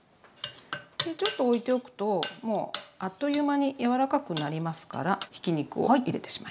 ちょっとおいておくともうあっという間に柔らかくなりますからひき肉を入れてしまいます。